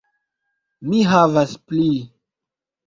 Mi havas pli